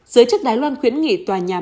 giới chức đài loan khuyến nghị tòa nhà